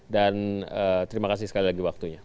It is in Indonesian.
dan terima kasih sekali lagi waktunya